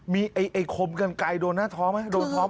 มีไอ้โคนกันไกเลยโดนนาท้องไหม